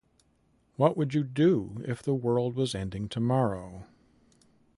What would you do if the world was ending tomorrow?